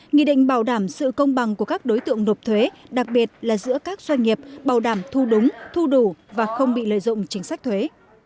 nghị định bảo đảm sự công bằng của các đối tượng nộp thuế đặc biệt là giữa các doanh nghiệp bảo đảm thu đúng thu đủ và không bị lợi dụng chính sách thuế